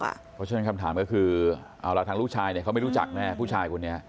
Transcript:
เพราะฉะนั้นคำถามก็คือเอาล่ะทางลูกชายเนี่ยเขาไม่รู้จักแน่ผู้ชายคนนี้